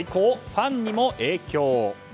ファンにも影響。